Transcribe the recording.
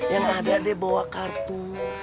yang ada dia bawa kartu